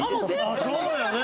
ああそうだよね